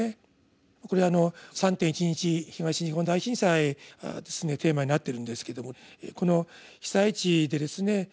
これ３．１１東日本大震災がテーマになってるんですけどもこの被災地でですね